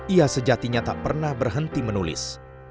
ia sejatinya tak pernah berhenti menulis